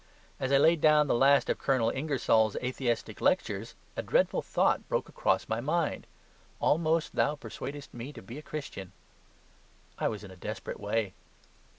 As I laid down the last of Colonel Ingersoll's atheistic lectures the dreadful thought broke across my mind, "Almost thou persuadest me to be a Christian." I was in a desperate way.